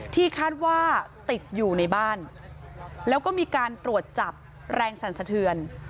ที่คาดว่าติดอยู่ในบ้านแล้วก็มีการตรวจจับแรงสั่นสะเทือน